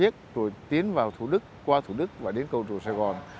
thủ đức qua thủ đức và đến cầu trù sài gòn